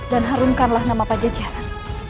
dan harumkanlah nama pajajaran